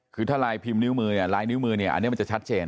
คือถ้าลายพิมพ์นิ้วมือเนี่ยลายนิ้วมือเนี่ยอันนี้มันจะชัดเจน